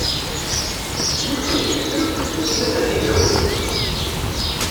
D yiwet n tegzemt m snat n tigawin.